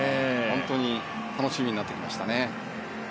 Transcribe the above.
本当に楽しみになってきましたね。